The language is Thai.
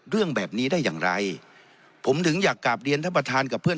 เรื่องแบบนี้ได้อย่างไรผมถึงอยากกลับเรียนท่านประธานกับเพื่อน